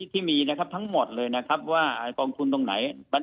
ที่มีนะครับทั้งหมดเลยนะครับว่ากองทุนตรงไหน